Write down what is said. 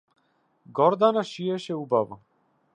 Гордана шиеше убаво.